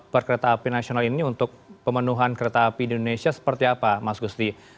perkereta api nasional ini untuk pemenuhan kereta api di indonesia seperti apa mas gusti